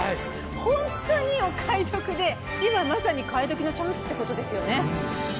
ホントにお買い得で今まさに替え時のチャンスってことですよね。